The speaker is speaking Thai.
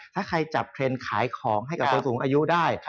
ถ้าใครจับเทรนด์ขายของให้กับคนสูงอายุได้